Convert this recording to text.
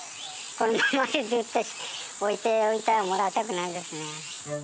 このままずっと置いておいてもらいたくないですね。